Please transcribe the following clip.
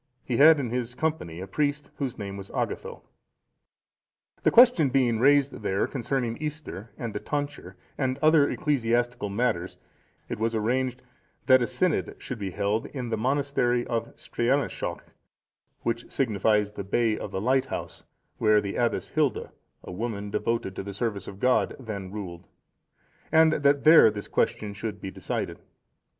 He had in his company a priest, whose name was Agatho.(464) The question being raised there concerning Easter and the tonsure and other ecclesiastical matters, it was arranged, that a synod should be held in the monastery of Streanaeshalch,(465) which signifies the Bay of the Lighthouse, where the Abbess Hilda,(466) a woman devoted to the service of God, then ruled; and that there this question should be decided.